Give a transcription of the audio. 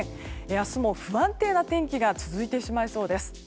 明日も不安定な天気が続いてしまいそうです。